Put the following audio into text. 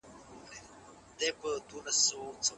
آیا طلاق ورکوونکی باید حتماً بالغ وي؟